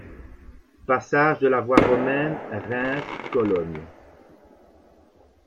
Passage de la voie romaine Reims-Cologne.